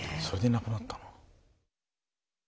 それでなくなったの。